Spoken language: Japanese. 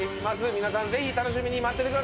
皆さんぜひ楽しみに待っててください！